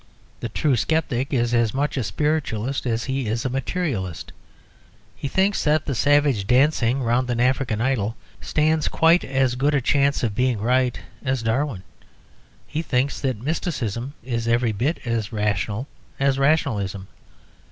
The true sceptic is as much a spiritualist as he is a materialist. He thinks that the savage dancing round an African idol stands quite as good a chance of being right as Darwin. He thinks that mysticism is every bit as rational as rationalism.